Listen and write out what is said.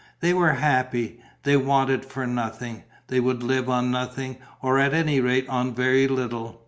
They were happy, they wanted for nothing. They would live on nothing, or at any rate on very little.